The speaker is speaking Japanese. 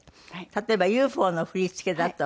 例えば『ＵＦＯ』の振り付けだと。